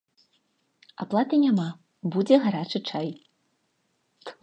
Аплаты няма, будзе гарачы чай.